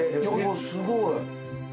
・すごい。